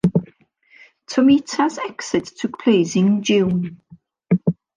Tomita's exit took place in June.